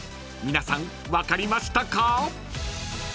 ［皆さん分かりましたか？］